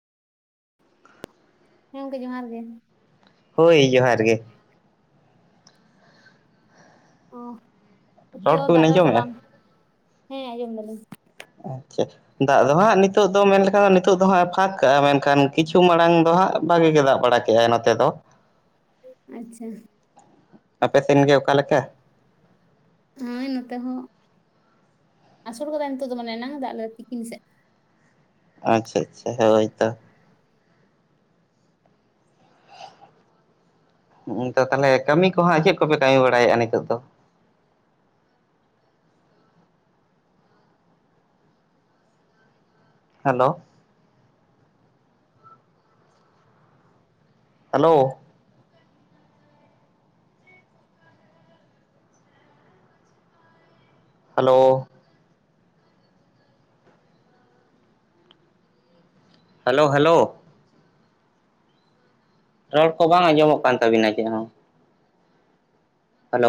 ᱦᱮ ᱜᱚᱝᱠᱮ ᱡᱚᱸᱦᱟᱨ ᱜᱮ᱾ ᱦᱳᱭ ᱡᱚᱦᱟᱨ ᱜᱮ᱾ ᱚ᱾ ᱦᱤᱛᱚᱜ ᱨᱚᱲ ᱫᱚ ᱠᱚᱵᱤᱱ ᱫᱟᱜ ᱫᱟᱭ ᱥᱮ ᱟᱸᱡᱚᱢᱮᱫᱼᱟ ᱵᱟᱝ? ᱦᱮᱸ ᱟᱸᱡᱚᱢ ᱫᱟᱞᱤᱧ᱾ ᱟᱪᱪᱷᱟ᱾ ᱫᱟᱜ ᱫᱚ ᱦᱟᱸᱜ ᱱᱤᱛᱚᱜᱜ ᱫᱚ ᱢᱮᱱ ᱞᱮᱠᱷᱟᱱ ᱫᱚ ᱱᱤᱛᱚᱜ ᱫᱚ ᱦᱟᱸᱜ-ᱮ ᱯᱷᱟᱸᱠ ᱠᱟᱜᱼᱟ, ᱢᱮᱱᱠᱷᱟᱱ ᱠᱤᱪᱷᱩ ᱢᱟᱲᱟᱝ ᱫᱚ ᱦᱟᱸᱜ ᱵᱷᱟᱜᱤ ᱜᱮ ᱫᱟᱜ ᱵᱟᱲᱟ ᱠᱮ-ᱟᱭ ᱱᱟᱛᱮ ᱫᱚ᱾ ᱟᱪᱪᱷᱟ᱾ ᱟᱯᱮᱥᱮᱱ ᱜᱮ ᱚᱠᱟᱮᱠᱟ? ᱦᱳᱭ ᱱᱚᱛᱮ ᱦᱚᱸ ᱟᱥᱳᱲ ᱠᱟᱫᱟᱭ ᱱᱤᱛᱚᱜ ᱫᱚ ᱢᱟᱱᱮ ᱮᱱᱟᱝ ᱫᱟᱜ ᱞᱮᱫᱟ ᱛᱤᱠᱤᱱ ᱥᱮᱫ᱾ ᱟᱪᱪᱷᱟ ᱟᱪᱪᱷᱟ ᱦᱳᱭ ᱛᱚ᱾ ᱦᱚ-ᱚᱝᱠᱟ ᱛᱟᱦᱚᱞᱮ ᱠᱟᱹᱢᱤ ᱠᱚ ᱦᱟᱸᱜ ᱪᱮᱫ ᱠᱚᱯᱮ ᱠᱟᱹᱢᱤ ᱵᱟᱲᱟᱭᱮᱫᱼᱟ ᱱᱤᱛᱳᱜ ᱫᱚ? Hello. Hello. Hello. Hello hello. ᱨᱚᱲ ᱠᱚ ᱵᱟᱝ ᱟᱸᱡᱚᱢᱚᱜ ᱠᱟᱱ ᱛᱟᱵᱤᱱᱟ ᱪᱮᱫ ᱦᱚᱸ᱾ ᱦᱮᱞᱳ